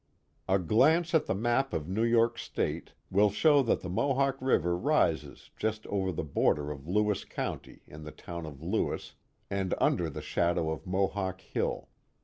A glance at the map of New York State will show that the Oriskany 439 Mohawk River rises just over the border of Lewis County in the town of Lewis and under the shadow of Mohawk Hill.